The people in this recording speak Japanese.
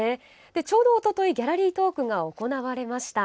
ちょうど、おとといギャラリートークが行われました。